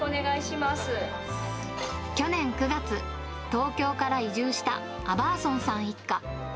去年９月、東京から移住したアバーソンさん一家。